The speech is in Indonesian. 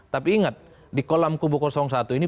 tapi ingat di kolam kubu satu ini